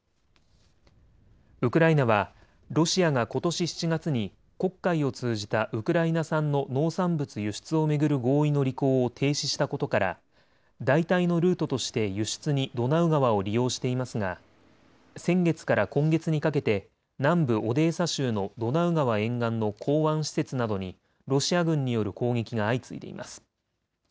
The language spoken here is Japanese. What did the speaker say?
ウクライナはロシアがことし７月に黒海を通じたウクライナ産の農産物輸出を巡る合意の履行を停止したことから代替のルートとして輸出にドナウ川を利用していますが先月から今月にかけて南部オデーサ州のドナウ川沿岸の港湾施設などにロシア軍による攻撃が相次いでいます。